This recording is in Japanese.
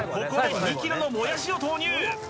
ここで２ｋｇのもやしを投入